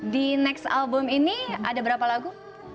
di next album ini ada berapa lagu